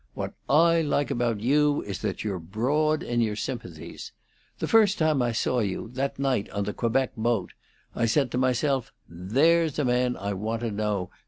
"What I like about you is that you're broad in your sympathies. The first time I saw you, that night on the Quebec boat, I said to myself: 'There's a man I want to know.